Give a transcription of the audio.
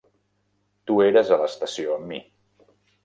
Tu eres a l'estació amb mi.